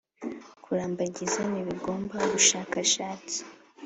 kurambagiza ntibigomba ubushakashatsi .